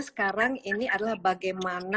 sekarang ini adalah bagaimana